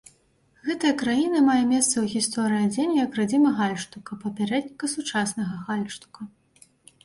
Гэтая краіна мае месца ў гісторыі адзення як радзіма гальштука, папярэдніка сучаснага гальштука.